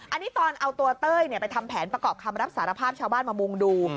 อันนี้ตอนเอาตัวเต้ยไปทำแผนประกอบคำรับสารภาพชาวบ้านมามุ่งดู